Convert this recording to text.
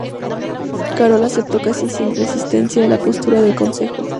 Carol aceptó casi sin resistencia la postura del consejo.